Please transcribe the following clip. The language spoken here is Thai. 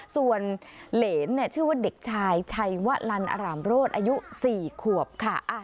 ส่วนเหรนชื่อว่าเด็กชายชัยวะลันอร่ามโรศอายุ๔ขวบค่ะ